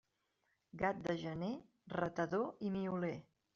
Gat de gener, ratador i mioler.